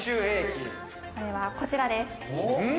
それはこちらです。